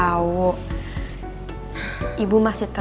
tanpa multipotensi senantium